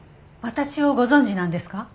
私をご存じなんですか？